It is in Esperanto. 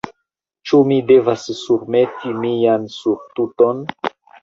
Ĉu mi devas surmeti mian surtuton?